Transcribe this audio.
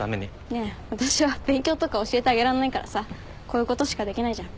いや私は勉強とか教えてあげらんないからさこういうことしかできないじゃん。